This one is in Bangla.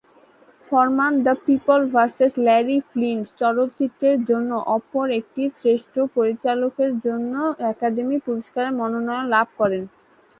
ফরমান "the People versus Larry Flynt" চলচ্চিত্রের জন্য অপর একটি শ্রেষ্ঠ পরিচালকের জন্য একাডেমি পুরস্কারের মনোনয়ন লাভ করেন।